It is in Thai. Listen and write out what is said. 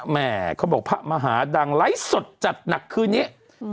แม่เขาบอกพระมหาดังไลฟ์สดจัดหนักคืนนี้